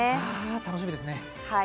楽しみですね。